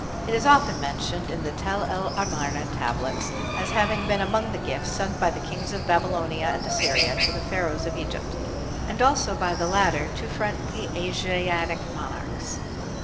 It is often mentioned in the Tel el Amarna tablets as having been among the gifts sent by the kings of Babylonia and Assyria to the Pharaohs of Egypt, and also by the latter to friendly Asiatic monarchs.